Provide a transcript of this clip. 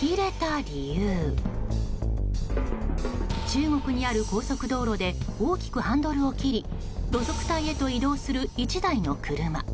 中国にある高速道路で大きくハンドルを切り路側帯へと移動する１台の車。